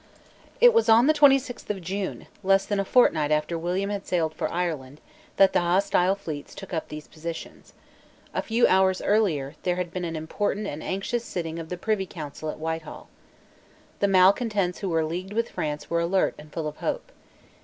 It was on the twenty sixth of June, less than a fortnight after William had sailed for Ireland, that the hostile fleets took up these positions. A few hours earlier, there had been an important and anxious sitting of the Privy Council at Whitehall. The malecontents who were leagued with France were alert and full of hope.